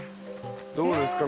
どうですか？